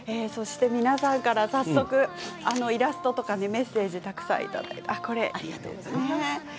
皆さんから早速イラストやメッセージがたくさんいただいています。